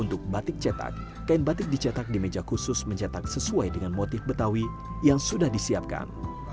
untuk batik cetak kain batik dicetak di meja khusus mencetak sesuai dengan motif betawi yang sudah disiapkan